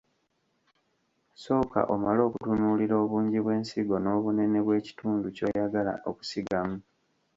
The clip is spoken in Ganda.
Sooka omale okutunuulira obungi bw’ensigo n’obunene bw’ekitundu ky’oyagala okusigamu.